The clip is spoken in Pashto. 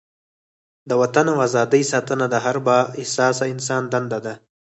د وطن او ازادۍ ساتنه د هر با احساسه انسان دنده ده.